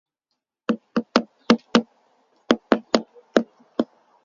They will not approach persons and things protected by the obnoxious metal.